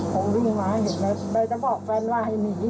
เขาวิ่งมาเห็นไหมไปจะบอกแฟนว่าให้หนีหนี